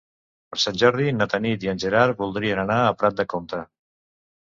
Per Sant Jordi na Tanit i en Gerard voldrien anar a Prat de Comte.